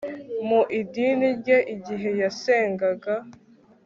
mu idini rye igihe yasengaga